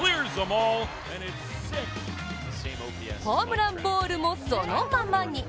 ホームランボールもそのままに。